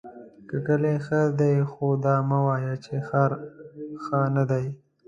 که کلی ښۀ دی خو دا مه وایه چې ښار ښۀ ندی!